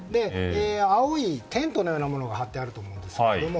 青いテントのようなものが張ってあったと思うんですけども。